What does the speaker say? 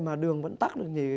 mà đường vẫn tắt được nhỉ